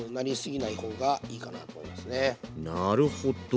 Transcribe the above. なるほど。